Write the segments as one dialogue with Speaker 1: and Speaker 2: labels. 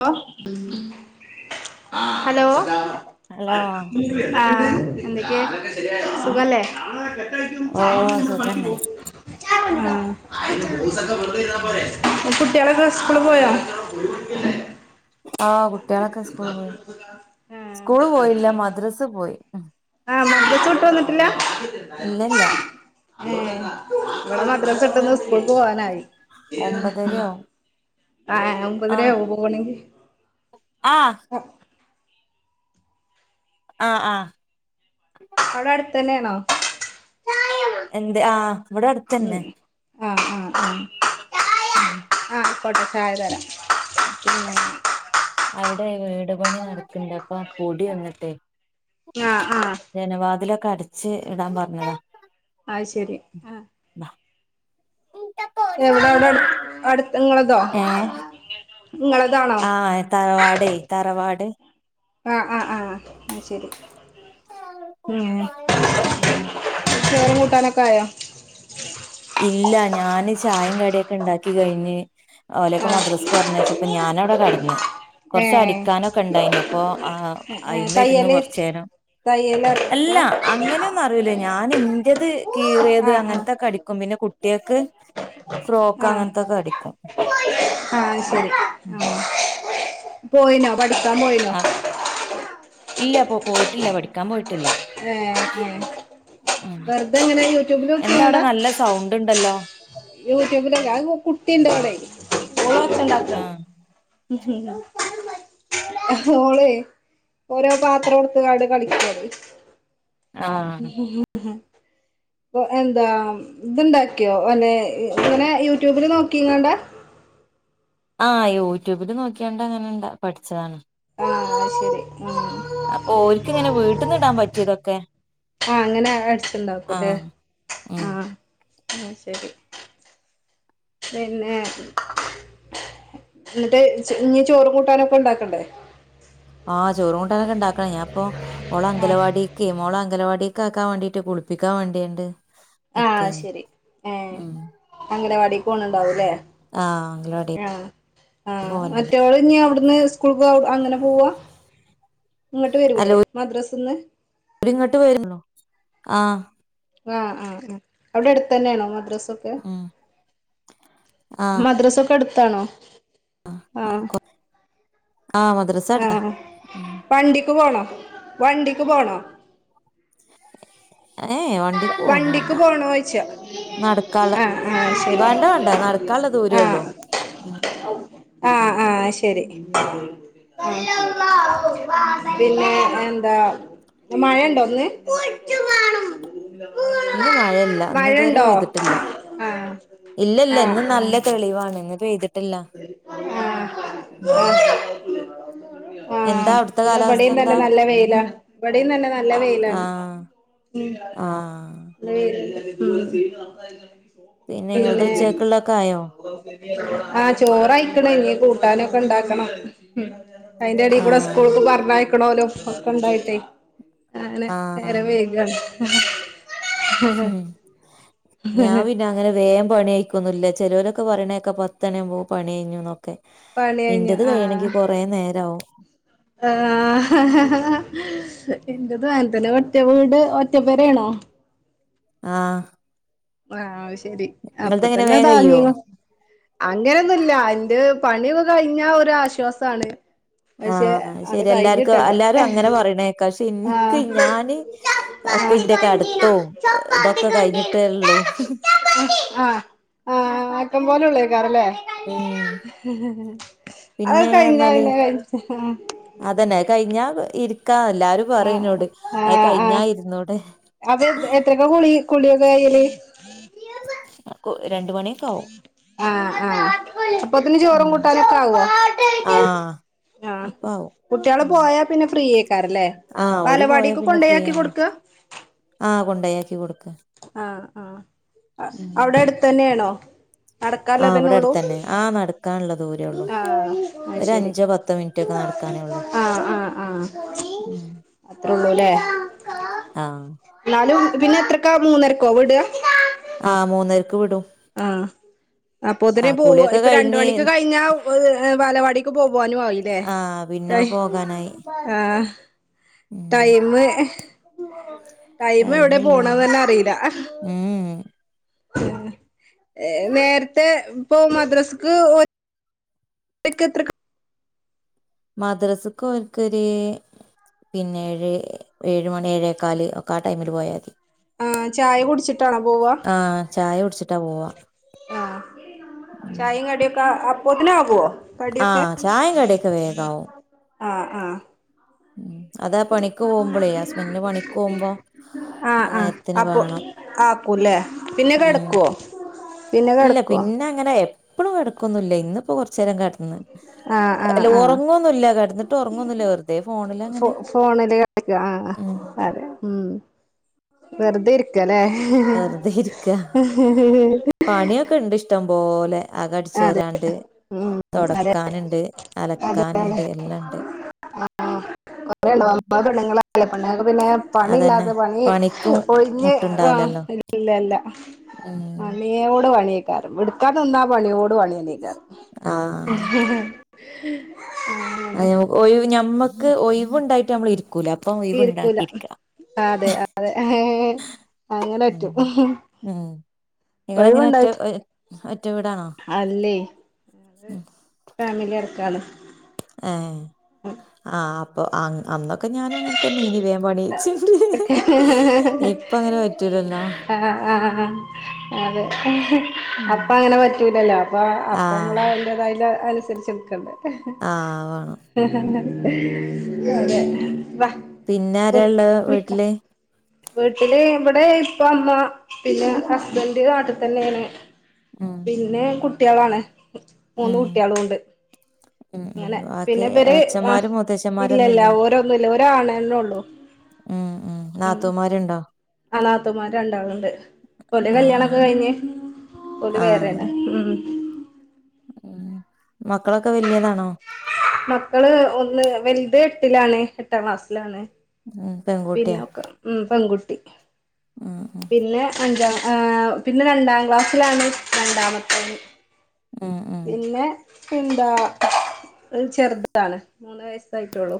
Speaker 1: [unintelligible] Hello
Speaker 2: hello
Speaker 1: ആഹ എന്തൊക്ക സുഖല്ലേ
Speaker 2: ഓ സുഖന്നെ
Speaker 1: ആ കുട്ടിളൊക്കെ സ്കൂള് പോയ?
Speaker 2: ആഹ കുട്ടികളൊക്കെ സ്കൂള് പോയി. സ്കൂള് പോയില്ല മദ്രസ് പോയി.
Speaker 1: ആഹ് മദ്യ ചൂട്ട് വന്നിട്ടില്ല
Speaker 2: ഇല്ലല്ല
Speaker 1: ഏ ഇവടെ മദ്രസെട്ടന്ന് സ്കൂള്ക്ക് പോവാനായി
Speaker 2: ഒമ്പതരയാവും
Speaker 1: ആഹ് ഒമ്പതര ആവോ പോകണെങ്കി
Speaker 2: ആഹ് ആഹ് ആ
Speaker 1: അവടെ അട്തന്നെ ആണോ?
Speaker 2: എന്ത്‌ ആഹ് ഇവടെ
Speaker 1: ഉം
Speaker 2: അട്ത്തന്നെ.
Speaker 1: [inaudible]
Speaker 2: [inaudible]
Speaker 1: [inaudible]
Speaker 2: അവിടെ വീട് പണി നടക്ണ്ട് അപ്പൊ പൊടി വന്നിട്ടെ.
Speaker 1: ആ ആ
Speaker 2: ജനവാതിലൊക്കെ അടച്ച് ഇടാൻ പറഞ്ഞത.
Speaker 1: ആഹ് ശരി ആഹ്.
Speaker 2: ഉ
Speaker 1: എവിടെ അവിടെ അടു അടുത്തങ്ങളതോ.
Speaker 2: ആഹ് തറവാടെയ് തറവാട്.
Speaker 1: ആഹ ആഹ് ആഹ് ആഹ ശരി. ചോറും കൂട്ടാനൊക്കെ ആയോ?
Speaker 2: ഇല്ല ഞാന് ചായിം കടിംക്കെ ഇണ്ടാക്കി കഴിഞ്. ഓലൊക്കെ
Speaker 1: ആ
Speaker 2: മദ്രസ്ക്ക് പറഞ്ഞഴച്ചപ്പ ഞാന അവടെ കടന്ന്.
Speaker 1: ഏ
Speaker 2: കുറച്ച് അടിക്കാനൊക്കെ ഇണ്ടായിനി അപ്പൊ ആ അയ്‌മെ ഇര്ന്ന്
Speaker 1: തയ്യല്
Speaker 2: കൊറചേരം.
Speaker 1: തയ്യല് അറിയോ ഇപ്പൊ
Speaker 2: അല്ല അങ്ങനെയൊന്നും അറിയില്ലേ ഞാൻ ഇന്റേത് കീറിയത്
Speaker 1: ആ ആ
Speaker 2: അങ്ങനത്തൊക്കെ അടി [unintelligible] പിന്നെ കുട്ട്യേക്ക് ഫ്രോക്ക്
Speaker 1: ആ
Speaker 2: അങ്ങനത്തൊക്കെ അടിക്കും.
Speaker 1: ആ ശരി ആ
Speaker 2: [inaudible]
Speaker 1: പോയിനോ പഠിക്കാൻ പോയിന?
Speaker 2: ആ ഇല്ല പോ പോയിട്ടില്ല പഠിക്കാൻ പോയിട്ട്
Speaker 1: ഏഹ് ഹേ
Speaker 2: ഉം
Speaker 1: വെറുതെ എങ്ങനെയാ
Speaker 2: എന്താ
Speaker 1: യൂട്യൂബിലൊക്കികാണ്ട?
Speaker 2: അവിടെ നല്ല സൗണ്ട് ഇണ്ടല്ലോ
Speaker 1: യൂട്യൂബിലക്കെ അ കുട്ടിണ്ട് ഇവടെ ഓൾ ഒച്ചണ്ടാക്ക.
Speaker 2: ആഹ്
Speaker 1: [inaudible] ഹ ഓളെ ഓരോ പാത്ര എടുത്താണ്ട് കളിക്കാണ്.
Speaker 2: ആഹ്
Speaker 1: ഹ് ഹ അപ്പൊ എന്താ ഇത്ണ്ടാക്കിയോ അന്നെ ഇങ്ങനെ യൂട്യൂബില് നോക്കിങ്ങണ്ടാ? [inaudible]
Speaker 2: ആഹ് യൂട്യൂബില് നോക്കിയണ്ടങ്ങനെ ഇണ്ട പഠിച്ചതാണ്.
Speaker 1: ആഹ് അത് ശരി ആഹ്
Speaker 2: അപ്പൊ ഓൽക്ക് ഇങ്ങനെ വീട്ട്ന്ന് ഇടാൻ പറ്റിയതൊക്കെ
Speaker 1: ആഹ അങ്ങനെ അടിച്ചണ്ടാക്കുംല്ലേ
Speaker 2: ആഹ് ഉം
Speaker 1: ആഹ ആ ശരി. പിന്നെ എന്നിട്ട് ഇനിീ ചോറും കൂട്ടാനൊക്കെ ഉണ്ടാക്കണ്ടേ
Speaker 2: ആഹ് ചോറുംൂണ്ടനൊക്കെ ഉണ്ടാക്കണം ഞാൻ ഇപ്പോ ഓള
Speaker 1: ആഹ്
Speaker 2: അംഗലവാടിക്ക്ഓള അംഗലവാട ഒക്കെ ആക്കാൻ വേണ്ടീട്ട് കുളപ്പിക്കാൻ വേണ്ടിയുണ്ട്
Speaker 1: ആഹ ശരി ഏ
Speaker 2: ഉം
Speaker 1: അങ്ങടെ വടിിക്കണ ഉണ്ടാവുംല്ലേ
Speaker 2: ആഹ് അംഗലവാടി
Speaker 1: ആഹ ആഹ്
Speaker 2: പോവലുണ്ട്
Speaker 1: മറ്റവള് ഇ അവിടുന്ന് സ്കൂൾ അങ്ങനെ പോവാ ഇങ്ങോട്ട് വരൂല്ലേ മദ്രാസ്ന്ന്
Speaker 2: അവരിങ്ങോട്ട് വരല്ലോ ആ
Speaker 1: ആഹ് ആഹ് ആ എവിടെ അടുത്ത് തന്നെയാണോ മദ്രാസൊക്കെ
Speaker 2: ഉം ആഹ്
Speaker 1: മദ്രാസൊക്കെ എടുത്താണോ ആഹ്
Speaker 2: ആഹ് മദ്രസ അടുത്താ
Speaker 1: ആഹ് ആഹ്
Speaker 2: ഉം
Speaker 1: വണ്ടിക്ക് പോണോ വണ്ടിക്ക് പോണോ
Speaker 2: ഏയ് വണ്ടിക്ക് പോന്നു വേണ്ട
Speaker 1: വണ്ടിക്ക് പോണോയ്ച്ച
Speaker 2: നടക്കാള്ള.
Speaker 1: ആഹ് ആഹ് ശരി
Speaker 2: വേണ്ട വേണ്ട നടക്കാള്ള ദൂരേ ഉള്ളു.
Speaker 1: ആഹ് ആഹ് ആഹ് ശരി [unintelligible] പിന്നെ എൻ ന്താ മഴ ണ്ടോ ഇന്ന്?
Speaker 2: ഇന്ന് മഴയില്ല. ഇന്ന് ഇതുവരെ
Speaker 1: മഴണ്ടോ
Speaker 2: പെയ്തിട്ടില്ല.
Speaker 1: ആഹ്
Speaker 2: ഇല്ലല്ല
Speaker 1: ആഹ്
Speaker 2: ഇന്ന് നല്ല തെളിവാണ്. ഇന്ന് പെയ്ത്
Speaker 1: ആഹ് അഹ്
Speaker 2: എന്താ
Speaker 1: ആഹ്
Speaker 2: അവിടുത്തെ
Speaker 1: ഇന്ന്
Speaker 2: കാലാവസ്ഥ
Speaker 1: ഇവടിൻ തന്നെ
Speaker 2: എന്താ
Speaker 1: നല്ല വെയിലാ. ഇവടിം തന്നെ നല്ല വെയിലാണ്.
Speaker 2: ആഹ്
Speaker 1: ഉം
Speaker 2: ആഹ്
Speaker 1: [unintelligible]
Speaker 2: നിങ്ങളത്
Speaker 1: പിന്നെ
Speaker 2: ഉച്ചക്കുള്ളൊക്കെ ആയോ
Speaker 1: ആഹ് ചോറയിക്ക്ണ് ഇനി കൂട്ടാനൊക്കെ ഉണ്ടാക്കണം. അയിന്റെ എടി കൂടെ
Speaker 2: ആഹ്
Speaker 1: സ്കൂൾക്ക് പർഞ്ഞയ്ക്ക്ണോലും ഒക്കെ ഇണ്ടായിട്ടേ. ആനെ നേരം വൈകാണ്.
Speaker 2: ഉം ഞാൻ പിന്നെ അങ്ങനെ വേം പണി അയ്ക്കുന്നില്ല. ചെലോലെക്കെ പറണേക്ക പത്തണിയാവുമ്പോ പണി അഴ്ഞ്ന്നൊ
Speaker 1: പണി കഴിഞ്ഞു ആഹ്
Speaker 2: നേരാവും
Speaker 1: ആഹ് ഹ ഹ ഹാ ഇന്റെതും അങ്ങൻ തന്നെ ഒറ്റ വീട് ഒറ്റപ്പെര ആണോ?
Speaker 2: ആഹ്
Speaker 1: ആഹ് ശരി അപ്പ
Speaker 2: നിങ്ങളതെങ്ങനെ
Speaker 1: തന്നെ
Speaker 2: വേഗം കയ്യോ
Speaker 1: താങ്ങിങ്ങ് അങ്ങനൊന്നുല്ല എന്റെ പണി ഇതും കഴിഞ്ഞ ഒരു ആശ്വാസാണ്. പക്ഷെ
Speaker 2: ആഹ് അത്
Speaker 1: ആണ്ട്
Speaker 2: ശരി എല്ലാർക്കും
Speaker 1: കഴിഞ്ഞിട്ടണ്ടെ.
Speaker 2: എല്ലാരും അങ്ങനെ പറയണേക്കാ പക്ഷെ ഇൻക്ക്
Speaker 1: ആഹ്
Speaker 2: ഞാന് ഒക്കെ ഇന്റെക്കെ അടുത്തോം ഇതൊക്കെ കഴിഞ്ഞിട്ടേ
Speaker 1: [unintelligible]
Speaker 2: ഉള്ളൂ
Speaker 1: ആഹ് ആഹ് ആക്കം പോലെ ഒള്ളയ്ക്കാരം ല്ലേ
Speaker 2: ഉം
Speaker 1: [unintelligible]
Speaker 2: പിന്നെ
Speaker 1: അതാണ്ട് കഴിഞ്ഞ
Speaker 2: പറഞ്ഞാല്
Speaker 1: പിന്നെ കഴിഞ്
Speaker 2: അതന്നെ അത് കഴിഞ്ഞാ ഇരിക്കാ എല്ലാരും പറയും
Speaker 1: ആഹ്
Speaker 2: ഇന്നോട് അത്
Speaker 1: ആഹ്
Speaker 2: കഴിഞ്ഞാ
Speaker 1: ആഹ്
Speaker 2: ഇരുന്നൂടെ
Speaker 1: അത് എത്രക്ക കുളി കുളി വേയില്
Speaker 2: കൊ രണ്ട് മണ്യാെകാവും
Speaker 1: ആഹ് ആഹ് അപ്പോത്തിന് ചോറു
Speaker 2: ഉം
Speaker 1: കൂട്ടാനൊക്കെ ആവോ
Speaker 2: ആഹ്
Speaker 1: ആഹ്
Speaker 2: അപ്പ ആവും
Speaker 1: കുട്ട്യേള് പോയാ പിന്നെ ഫ്രീയെ ക്കാരല്ലേ
Speaker 2: ആഹ് ഓര് പോയാ
Speaker 1: വാലവാടീക്ക്
Speaker 2: പിന്നെ ഫ്രീ
Speaker 1: കൊണ്ടയാക്കി
Speaker 2: ആണ്
Speaker 1: കൊട്ക്ക
Speaker 2: ആഹ് കൊണ്ടയാക്കി കൊട്
Speaker 1: ആഹ് ആഹ് ഔടെ എട്ത്തെന്നേണോ
Speaker 2: ആഹ് ഇവിടെ
Speaker 1: നടക്കാല്ലെതന്നൊള്ളൂ
Speaker 2: അടുത്തന്നെ ആഹ് നടക്കാനുള്ള ദൂരേ ഉള്ളൂ
Speaker 1: ആഹ് ആഹ്
Speaker 2: ഒരു
Speaker 1: ശെരി
Speaker 2: അഞ്ചോ പത്തോ മിനിറ്റ് ഒക്കെ
Speaker 1: ആഹ് ആഹ് ആഹ്
Speaker 2: ഉം
Speaker 1: അത്ര ഒള്ളുലെ
Speaker 2: ആഹ്
Speaker 1: പിന്നെ എത്രക്കാ മൂന്നരക്കോ വിട
Speaker 2: ആഹ് മൂന്നര്ക്ക് വിടും
Speaker 1: ആഹ് അപ്പൊത്തിന്
Speaker 2: ആഹ്
Speaker 1: പോവാ
Speaker 2: കുളിയൊക്കെ
Speaker 1: ഇപ്പൊ രണ്ട്
Speaker 2: കഴിഞ്ഞ്
Speaker 1: മണിക്ക് കഴിഞ്ഞാ വാലവാടിക്ക് പോകുവാനും ആയിലേ
Speaker 2: ആഹ് പിന്നെ പോകാനായി
Speaker 1: ആഹ്
Speaker 2: ഉം
Speaker 1: ടൈമ് ടൈമ് ഹൗെടെ
Speaker 2: ടൈമില്ല
Speaker 1: പോണന്ന്
Speaker 2: പിന്നെ
Speaker 1: തന്നെ അറീല്ല
Speaker 2: ഉം
Speaker 1: നേര്ത്തെ ഇപ്പൊ മദ്രസ്ക്ക് ഇക്കത്രക്ക
Speaker 2: മദ്രസൊക്കെ ഓന്ക്കൊരു പിന്നെ ഏഴ് ഏഴ് മണി ഏഴേക്കാല് ഒക്കെ ആ ടൈമില് പോയാൽ മതി
Speaker 1: ആ ചായ കുടിച്ചിട്ടാണോ പോവുവ
Speaker 2: ആഹ് ചായ കുടിച്ചു
Speaker 1: ആചായയും കടിയൊക്കെ അപ്പത്തിനും ആകുവോ ക ടിയൊക്കെ
Speaker 2: ആഹ് ചായേം കടിയൊക്കെ വേഗാവും
Speaker 1: ആ ആ
Speaker 2: ഉം അതാ പണിക്ക് പോകുമ്പോളേ ഹസ്ബൻഡിന് പണിക്ക് പോകുമ്പോ
Speaker 1: ആ ആ
Speaker 2: നേരത്തിന്
Speaker 1: അപ്പൊ
Speaker 2: വേണം
Speaker 1: ആക്കൂമല്ലേ പിന്നെ
Speaker 2: ഉം
Speaker 1: കിടക്കുവോ
Speaker 2: ഇല്ല പിന്നെ അങ്ങനെ എപ്പഴും കിടക്കൊന്നുംല്ല ഇന്നിപ്പോ കുറ ഇചിരം കിടന്ന്
Speaker 1: ആഹ് ആഹ്
Speaker 2: അല്ല
Speaker 1: ആഹ്
Speaker 2: ഉറങ്ങൊന്നുമില്ല കിടന്നിട്ട് ഉറങ്ങൊന്നുമില്ല വെറുതെ ഫോണിലങ്ങനെ
Speaker 1: ണ കളിക്ക ആ
Speaker 2: ഉം
Speaker 1: അതെ ഉ വെറുതെ ഇരിക്കല്ലേലെ
Speaker 2: വെറുതെ ഇരിക്ക പണിയൊക്കെ ഇണ്ട് ഇഷ്ടം പോലെ അകമടിച്ചു
Speaker 1: അതെ
Speaker 2: വാരാനുണ്ട്
Speaker 1: ഉം അതെ
Speaker 2: തുടയ്ക്കാനുണ്ട് അലക്കാനുണ്ട് എല്ലാമുണ്ട്
Speaker 1: കുറെ ഉണ്ടോ നമ്മള് പെണ്ണുങ്ങള് അല്ലാതെ പിന്നെ പണി
Speaker 2: അതന്നെ
Speaker 1: ഇല്ലാത്ത പണി
Speaker 2: പണിക്ക്
Speaker 1: ഒഴിഞ്ഞ് ആ
Speaker 2: മുട്ടുണ്ടാവില്ലല്ലോ
Speaker 1: ഇല്ലല്ല
Speaker 2: ഉം
Speaker 1: പണിയോടുപണി എടുക്കാൻ നിന്നാ പണിയോട് പണിയരിക്ക
Speaker 2: ആഹ് അ ഒ ഞമ്മുക്ക് ഒഴിവ് ഉണ്ടായിട്ട് നമ്മൾ ഇരിക്കൂല അപ്പൊ
Speaker 1: ഇരിക്കൂല
Speaker 2: ഒഴിവുണ്ടാക്കിയിരിക്ക
Speaker 1: ആ അതെ അതെ അങ്ങനെ
Speaker 2: ഉം
Speaker 1: പറ്റും
Speaker 2: ഉം നിങ്ങളെങ്ങനെ ഒറ്റ
Speaker 1: ഒഴിവുണ്ടായിട്ട്
Speaker 2: ഒ- ഒറ്റ വീടാണോ
Speaker 1: അല്ലേ അത് ഫാമിലി അടുത്താണ്
Speaker 2: ഏ ആ അപ്പൊ അന്നൊക്കെ ഞാനും ഇങ്ങനെ തന്നെ ഇനി വ ഇപ്പ അങ്ങനെ പറ്റൂലല്ലോ
Speaker 1: ആ അതെ
Speaker 2: ഉം
Speaker 1: അപ്പ അങ്ങനെ പറ്റൂലല്ലോ അപ്പ അപ്പ
Speaker 2: ആഹ്
Speaker 1: നമ്മള് അതിന്റെതായുള്ള അനുസരിച്ച് നിൽക്കണ്ടെ
Speaker 2: ആഹ് വേണം
Speaker 1: അതെ അതെ
Speaker 2: പിന്നെ ആരെയുള്ള വീട്ടില്
Speaker 1: വീട്ടില് ഇവിടെ ഇപ്പ അമ്മ പിന്നെ ഹസ്ബൻഡ് നാട്ടിൽ തന്നെയാണ്
Speaker 2: ഉം
Speaker 1: പിന്നെ കുട്ടികളാണ് മൂന്ന്
Speaker 2: ഉം
Speaker 1: കുട്ടികളുണ്ട്
Speaker 2: ഉം ഉ ബാക്കി ഇളയച്ചന്മാരും
Speaker 1: ഇല്ലല്ല
Speaker 2: മുത്തച്ചന്മാരൊന്നുമില്ലേ
Speaker 1: ഓരോന്നുമില്ല ഒരാണെന്നെ ഉള്ളൂ
Speaker 2: ഉം ഉം നാത്തൂമാരുണ്ടോ
Speaker 1: ആ നാത്തൂൻമാര് രണ്ടാളുണ്ട് ഒന്റെ
Speaker 2: ആഹ്
Speaker 1: കല്യാണൊക്കെ കഴിഞ്ഞഞ് ഒല വേറെന്ന ഉം
Speaker 2: ഉ മക്കളൊക്കെ വലിയതാണോ
Speaker 1: മക്കള് ഒന്ന് വലുത് എട്ടിലാണ് എട്ടാം ക്ലാസ്സിലാണ്
Speaker 2: ഉം പെൺകുട്ടിയാ
Speaker 1: പിന്നെക്കെ ഉം പെൺകുട്ടി
Speaker 2: ഉം
Speaker 1: പിന്നെ അഞ്ചാം ഏ പിന്നെ രണ്ടാം ക്ലാസ്സിലാണ് രണ്ടാമത്തെ
Speaker 2: ആ ആ
Speaker 1: എന്താ ഇത് ചെറുതാണ് മൂന്ന് വയസ്സായിട്ടുള്ളു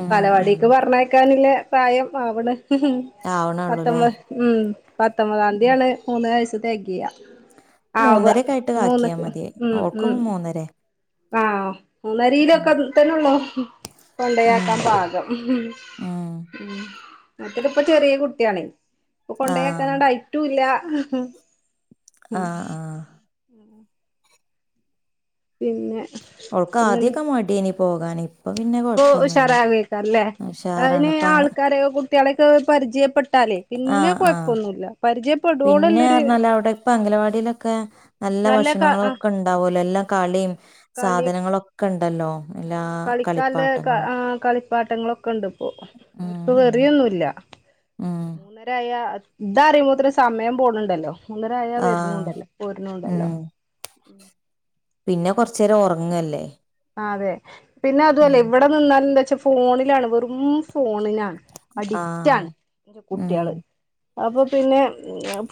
Speaker 2: ഉം ഉം
Speaker 1: ബാലപടിക്ക് പറഞ്ഞയക്കാനില്ലേ പ്രായം ആവണ് ഉ
Speaker 2: ആവണള്ളൂല്ലേ
Speaker 1: പത്തൊമ്പത് ഉം പത്തൊമ്പതാംതിയാണ് മൂന്ന് വയസ് തെകിയ ആവ
Speaker 2: മൂന്നരക്കെ ആയിട്ട് ആക്കിയാ
Speaker 1: മൂന്നക്ക്
Speaker 2: മതി
Speaker 1: ഉ
Speaker 2: ഓൾക്ക്
Speaker 1: ഉ
Speaker 2: മൂന്നരെ
Speaker 1: ആ മുന്നര
Speaker 2: ഉം
Speaker 1: രീയിലൊക്കെ തന്നോ
Speaker 2: ഉം
Speaker 1: കൊണ്ടയാക്കാൻ പാകം
Speaker 2: ഉം
Speaker 1: ഉ അപ്പ യിതു ചെറിയ കുട്ടിയാണ് ഇപ്പൊ
Speaker 2: ആഹ്
Speaker 1: കൊണ്ടോക്കാനണ്ടയറ്റുംല്ല
Speaker 2: ആഹ് ആഹ്
Speaker 1: പിന്നെ
Speaker 2: ഉൾക്ക ആദ്യക്കെ മടിഅയിനി പോകാന് പിന്നെ
Speaker 1: ഓ
Speaker 2: കൊഴപ്പൊന്നുല്ല
Speaker 1: ഉഷാരവേ ക ലേ
Speaker 2: ഉഷാറാണ്
Speaker 1: അതിന്
Speaker 2: ഇപ്പ അങ്ങ
Speaker 1: ആൾക്കാരെ കുട്ടികളെക്കെ പരിചയപ്പെട്ടാലേ പിന്നെ
Speaker 2: ആഹ് ആഹ്
Speaker 1: കുഴപ്പൊന്നുമില്ല പരിചയ
Speaker 2: പിന്നെ പറഞ്ഞാല അവിടെ ഇപ്പ അംഗലവാടിയിലൊക്കെ നല്ല
Speaker 1: ക
Speaker 2: ഭക്ഷണങ്ങള
Speaker 1: ആ
Speaker 2: ഒക്കെ ഉണ്ടാവലോ എല്ലാം കളി
Speaker 1: കളി
Speaker 2: സാധനങ്ങളൊക്കെ ഉണ്ടല്ലോ
Speaker 1: ആ
Speaker 2: എല്ലാ
Speaker 1: കളിക്കാല്
Speaker 2: കളിപ്പാട്ടങ്ങളും
Speaker 1: ആ കള പാട്ടങ്ങളൊക്കെ ഉണ്ട്
Speaker 2: ഉം
Speaker 1: ഇപ്പോറിയൊന്നുംല്ല
Speaker 2: ഉം ഉം
Speaker 1: മൂന്നര ഇതാറുമ്പോൾ ഒത്ര സമയം പോണണ്ടല്ലോ മൂന്നരായ
Speaker 2: ആഹ്
Speaker 1: വരുന്നണ്ടല്ലോ പോുന്നണ്ടല്ലോ
Speaker 2: ഉം പിന്നെ കൊറച്ച നേേരം ഉറങ്ങല്ലേ
Speaker 1: അതെ പിന്നെ അതല്ലേ ഇവിടെ നിന്നാല എന്താ വെച്ചാ ഫോണിലാണ് വെറും ഫോൺ
Speaker 2: ആഹ്
Speaker 1: അഡിക്റ്റാണ് എറെ
Speaker 2: ഉം
Speaker 1: കുട്ടികള് അപ്പൊ പിന്നെ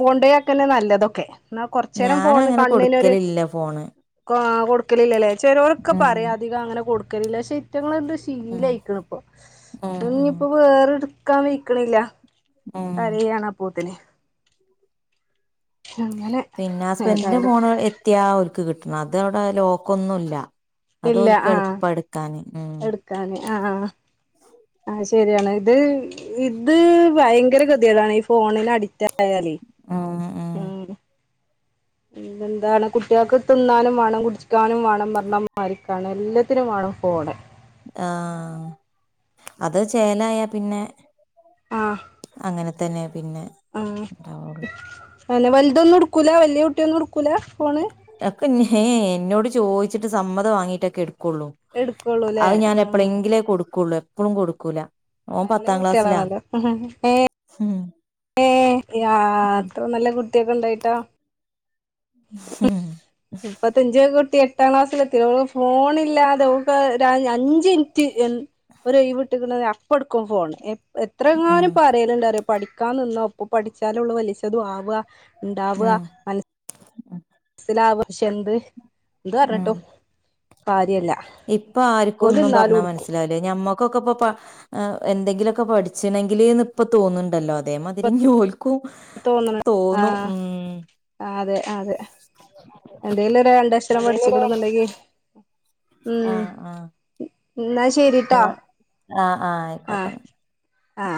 Speaker 1: പോണ്ടയാക്കെന്നെ നല്ലതൊക്കെ എന്നാ കുറച്ച നേരം ഫോണ്
Speaker 2: ഞാനങ്ങനെ
Speaker 1: കണ്ണിന്ൊരു
Speaker 2: കൊടുക്കലില്ല ഫോണ്
Speaker 1: കൊടുക്കലില്ലല്ലേ ചെറ ഒക്കെ
Speaker 2: ഉം
Speaker 1: പറയാം അധികം അങ്ങനെ കൊടുക്കില്ല പക്ഷെ കുറ്റങ്ങളുണ്ട്
Speaker 2: ഉം
Speaker 1: ശീലംയിക്കണ ഇപ്പൊ
Speaker 2: ഉം ഉം
Speaker 1: ഇനിയിപ്പോൊ വേറെ എടുക്കാൻ വഴക്കണില്ല
Speaker 2: ഉം
Speaker 1: കരാണ്ാ പോൂത്തി അങ്ങനെ
Speaker 2: പിന്നെ ഹസ്ബൻഡിന്റെ
Speaker 1: ഏതായാലും
Speaker 2: ഫോൺ എത്തിയാ ഒരുക്ക് കിട്ടണ അത് അവിടെ ലോക്ക്ൊന്നുമല്ല
Speaker 1: ഇല്ല ആ
Speaker 2: ഉം
Speaker 1: എടുക്കാനേ ആ ആ ശരിയാണ് ഇത് ഇത് ഭയങ്കര ഗതിയടാണ് ഈ ഫോണിൽ അഡിക്റ്റ് ി
Speaker 2: ഉം ഉം
Speaker 1: ഉ എന്താണ് കുട്ടികൾക്ക് തിന്നാനും വേണം കുടിക്കാനും വേണം പറഞ്ഞണം മാരിക്കാനും എല്ലാത്തിനും വേണം പോടെ
Speaker 2: ആ അത് ചേലായ പിന്നെ
Speaker 1: ആഹ്
Speaker 2: അങ്ങനെ തന്നെ പിന്നെ ഉണ്ടാവുള്ളു
Speaker 1: അെ വലതൊന്നുംടുക്കൂ വിയ കുട്ട ഒുംക്കും
Speaker 2: ഒക്കെ ഞ എന്നോട് ചോദിച്ചിട്ട് സമ്മതം വാങ്ങീട്ടൊക്കെ എടുക്കും കൊടുുള്ളൂ
Speaker 1: എടുക്കുള്ളൂല്ലേ
Speaker 2: അത് ഞാൻ
Speaker 1: ആഹ്
Speaker 2: എപ്പഴെങ്കിലേ കൊടുക്കുള്ളൂ എപ്പഴും കൊടുക്കൂല ഓൻ
Speaker 1: നല്ല
Speaker 2: പത്താം ക്ലാസ്സിലാ
Speaker 1: കുട്ടികളാണല്ലോ
Speaker 2: ഉം
Speaker 1: ഏ അത്ര നല്ല കുട്ടിയൊക്കെ ഉണ്ടായിട്ടാ
Speaker 2: ഹം
Speaker 1: ഇപ്പത്തഞ്ച കുട്ടി എട്ടാം ക്ലാസ്സൽ എത്തില്ല ഫോണില്ലാതെ അഞ്ച മിനിറ്റ് ഒഴ വട്ട അപ്പ എടുക്കും ഫോൺ എ എത്രങ്ങാനും പറയലുണ്ട അറിയ പഠിക്കാ നിന്ന ഒപ്പ പഠിച്ചാലുള്ള വലിച്ചതുും ആവുക ഉണ്ടാവുക
Speaker 2: ഉം
Speaker 1: മന പക്ഷെ എന്ത് എന്ത്
Speaker 2: ഉം
Speaker 1: പറഞ്ഞിട്ടോ കാര്യല്ല
Speaker 2: ഇപ്പൊ ആർക്കും ഒന്നും
Speaker 1: ഓല്ന്നാലും
Speaker 2: പറഞ്ഞാ
Speaker 1: ഇട്ക്കും
Speaker 2: മനസ്സിലാവില്ലേ ഞമ്മക്കൊക്കെ ഇപ്പൊ എന്തെങ്കിലുമൊക്കെ പഠിച്ചുണെങ്കിൽന്ന് ഇപ്പൊ തോന്നുന്നുണ്ടല്ലോ അതേമാതിരി ും തോന്നു
Speaker 1: ആഹ്
Speaker 2: ഉം
Speaker 1: അതെ അതെ എന്തേലും രണ്ടക്ഷരം പഠിച്ചിക്കടുന്നുണ്ടെങ്കി
Speaker 2: ആ ആ
Speaker 1: എന്നാൽ ശരിട്ടോ
Speaker 2: ആഹ്
Speaker 1: ആ
Speaker 2: ആയിക്കോട്ടെ
Speaker 1: ആ